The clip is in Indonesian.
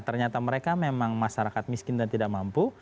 ternyata mereka memang masyarakat miskin dan tidak mampu